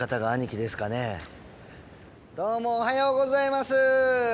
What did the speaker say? どうもおはようございます。